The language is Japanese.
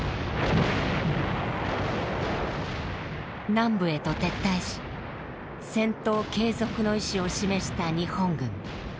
南部へと撤退し戦闘継続の意思を示した日本軍。